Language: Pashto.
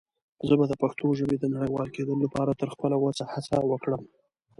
زه به دَ پښتو ژبې د نړيوال کيدلو لپاره تر خپله وسه هڅه وکړم.